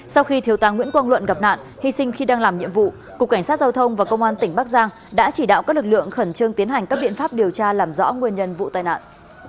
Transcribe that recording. sau khi thiếu tá nguyễn quang luận gặp nạn hy sinh khi đang làm nhiệm vụ cục cảnh sát giao thông và công an tỉnh bắc giang đã chỉ đạo các lực lượng khẩn trương tiến hành các biện pháp điều tra làm rõ nguyên nhân vụ tai nạn